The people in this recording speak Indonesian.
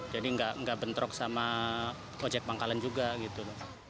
jadi gak bentrok sama ojek pangkalan juga gitu